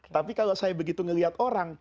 tapi kalau saya begitu ngelihat orang